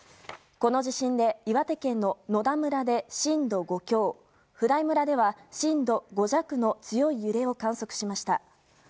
この地震で岩手県の野田村で震度５強普代村では震度５弱の強い揺れを観測しました。